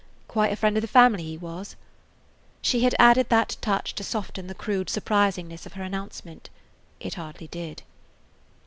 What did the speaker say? "Quite a friend of the family he was." She had added that touch to soften the crude surprisingness of her announcement. It hardly did.